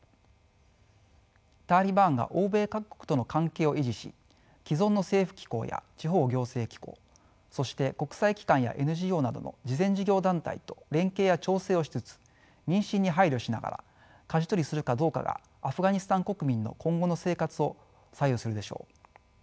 タリバンが欧米各国との関係を維持し既存の政府機構や地方行政機構そして国際機関やＮＧＯなどの慈善事業団体と連携や調整をしつつ民心に配慮しながらかじ取りするかどうかがアフガニスタン国民の今後の生活を左右するでしょう。